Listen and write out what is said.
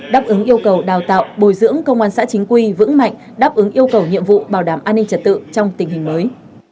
đáp ứng yêu cầu đào tạo bồi dưỡng công an xã chính quy vững mạnh đáp ứng yêu cầu nhiệm vụ bảo đảm an ninh trật tự trong tình hình mới